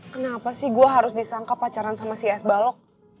kenapa sih gue harus disangka pacaran sama si es balok